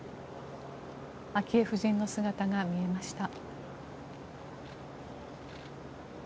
昭恵夫人の姿が見えました。